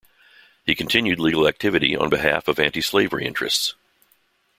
He continued legal activity on behalf of anti-slavery interests.